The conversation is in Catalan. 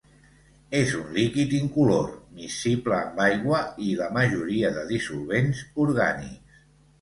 És un líquid incolor, miscible amb aigua i la majoria de dissolvents orgànics.